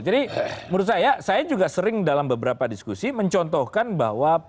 jadi menurut saya saya juga sering dalam beberapa diskusi mencontohkan bahwa